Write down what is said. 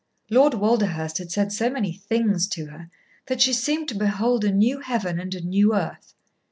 Lord Walderhurst had said so many "things" to her that she seemed to behold a new heaven and a new earth.